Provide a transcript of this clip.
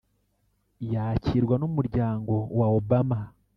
yakirwa n’Umuryango wa Obama